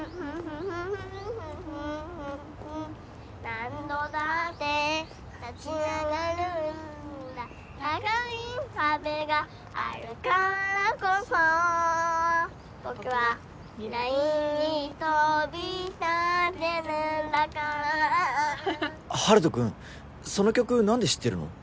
何度だって立ち上がるんだ高い壁があるからこそ僕は未来に飛び立てるんだから陽斗君その曲なんで知ってるの？